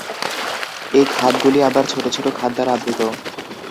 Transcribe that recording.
এই খাদগুলি আবার ছোট ছোট খাদ দ্বারা আবৃত।